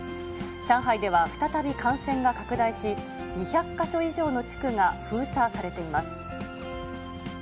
上海では再び感染が拡大し、２００か所以上の地区が封鎖されています。